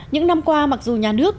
những năm qua mặc dù nhà nước